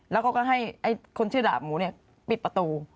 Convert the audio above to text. แล้วเขาก็ให้คนชื่อดาบหมูปิดประตู